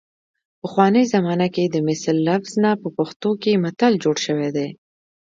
پخوانۍ زمانه کې د مثل لفظ نه په پښتو کې متل جوړ شوی دی